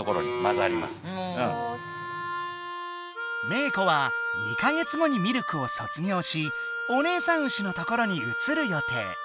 メー子は２か月後にミルクをそつぎょうしお姉さん牛のところにうつるよてい。